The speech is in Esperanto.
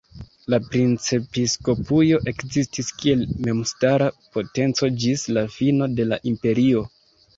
La princepiskopujo ekzistis kiel memstara potenco ĝis la fino de la Imperio.